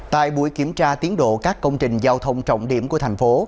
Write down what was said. tại buổi kiểm tra tiến độ các công trình giao thông trọng điểm của thành phố